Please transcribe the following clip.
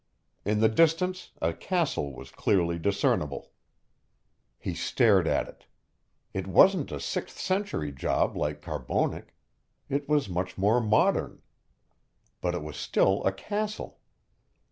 In the distance, a castle was clearly discernible. He stared at it. It wasn't a sixth century job like Carbonek it was much more modern. But it was still a castle.